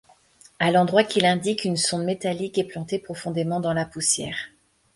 À l'endroit qu'il indique, une sonde métallique est plantée profondément dans la poussière.